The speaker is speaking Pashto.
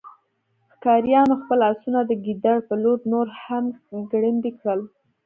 ښکاریانو خپل آسونه د ګیدړ په لور نور هم ګړندي کړل